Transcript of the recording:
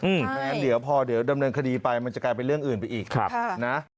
เพราะฉะนั้นเดี๋ยวพอเดี๋ยวดำเนินคดีไปมันจะกลายเป็นเรื่องอื่นไปอีกนะ